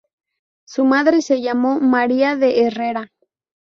Su madre se llamó María de Herrera.